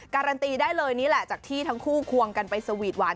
การันตีได้เลยนี่แหละจากที่ทั้งคู่ควงกันไปสวีทหวาน